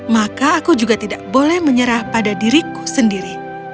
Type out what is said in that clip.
maka aku juga tidak boleh menyerah pada diriku sendiri